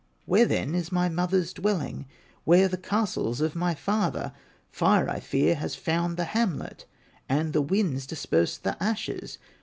Where then is my mother's dwelling, Where the castles of my father? Fire, I fear, has found the hamlet, And the winds dispersed the ashes."